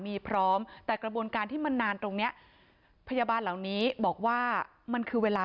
มีพร้อมแต่กระบวนการที่มันนานตรงเนี้ยพยาบาลเหล่านี้บอกว่ามันคือเวลา